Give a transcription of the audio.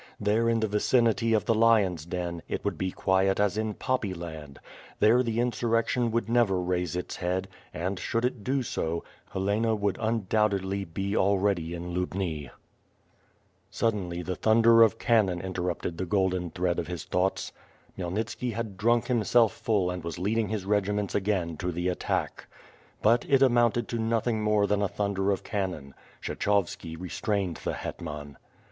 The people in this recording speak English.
There in the vicinitv of the lion^s den, it would be quiet as in poppy land; there the insurrection would never raise its head and, should it do so — Helena would undoubtedly be already in Lubni. l3o WITH FIRE AND SWORD. Suddenly the thunder of cannon interrupted the golden thread of his thoughts. Khmeylnitski had drunk himself full and was leading his regimeni;s again to the attack. But it amounted to nothing more than thunder of cannon. Kshechovski restrained the hetman.